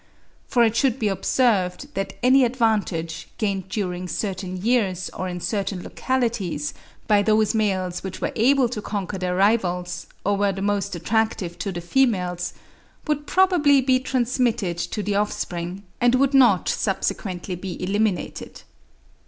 For it should be observed that any advantage, gained during certain years or in certain localities by those males which were able to conquer their rivals, or were the most attractive to the females, would probably be transmitted to the offspring, and would not subsequently be eliminated.